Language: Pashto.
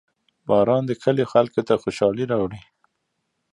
• باران د کلیو خلکو ته خوشحالي راوړي.